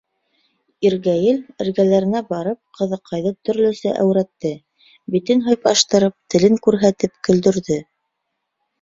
Иргәйел, эргәләренә барып, ҡыҙыҡайҙы төрлөсә әүрәтте, битен һыйпаштырып, телен күрһәтеп көлдөрҙө.